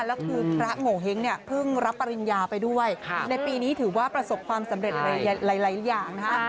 แล้วคือพระโงเห้งเนี่ยเพิ่งรับปริญญาไปด้วยในปีนี้ถือว่าประสบความสำเร็จหลายอย่างนะฮะ